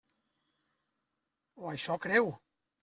O això creu.